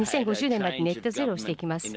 ２０５０年までに、ゼロにしていきます。